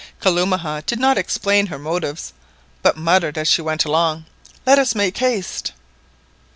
Kalumah did not explain her motives, but muttered as she went along— "Let us make haste!"